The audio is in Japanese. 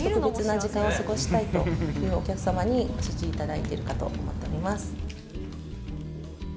少し特別な時間を過ごしたいというお客様にご支持いただいているかと思っております。